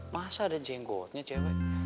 masa ada jenggotnya cewek